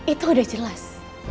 itu udah jelas